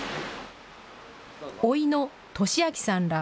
おいの利章さんら